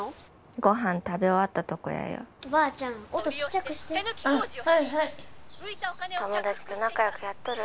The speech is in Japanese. ご飯食べ終わったとこやよおばあちゃん音ちっちゃくしてあっはいはい☎友達と仲良くやっとる？